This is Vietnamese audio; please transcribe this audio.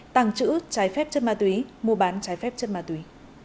tàng trữ trái phép chất ma túy mua bán trái phép chất ma túy